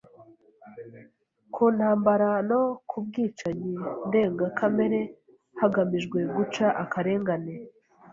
kuntambara no kubwicanyi ndengakamere hagamijwe guca akarengane,